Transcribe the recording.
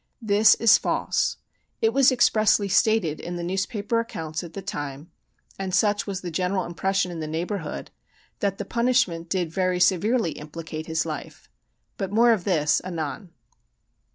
This is false; it was expressly stated in the newspaper accounts at the time, and such was the general impression in the neighborhood, that the punishment did very severely implicate his life. But more of this anon.